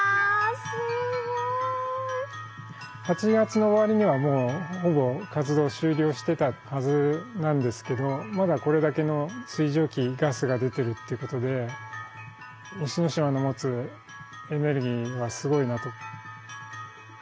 すごい！８月の終わりにはもうほぼ活動終了してたはずなんですけどまだこれだけの水蒸気ガスが出てるっていうことで西之島の持つエネルギーはすごいなと。